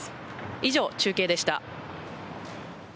以上、中継でした。